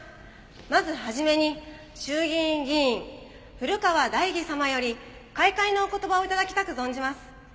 まず初めに衆議院議員古河大儀様より開会のお言葉を頂きたく存じます。